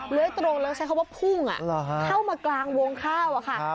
ตรงแล้วใช้คำว่าพุ่งเข้ามากลางวงข้าวอะค่ะ